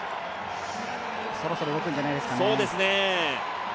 そろそろ動くんじゃないでしょうか。